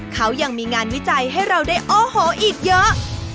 เขายังมีงานวิจัยให้เราได้โอ้โหอีกเยอะ